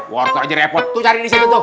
wartel aja repot tuh cari di situ